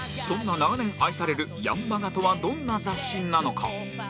そんな長年愛される『ヤンマガ』とはどんな雑誌なのか？